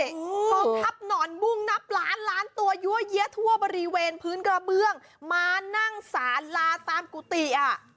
กองทัพหนอนบุ้งนับล้านล้านตัวยั่วเยี้ยทั่วบริเวณพื้นกระเบื้องมานั่งสาลาตามกุฏิอ่ะ